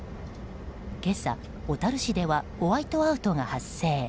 今朝、小樽市ではホワイトアウトが発生。